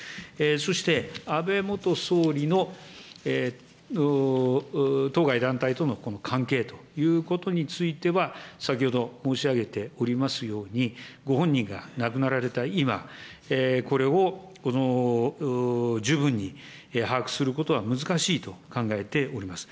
そして安倍元総理の当該団体との関係ということについては、先ほど申し上げておりますように、ご本人が亡くなられた今、これを十分に把握することは難しいと考えております。